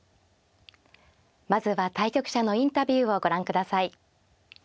まずは対局者のインタビューをご覧ください。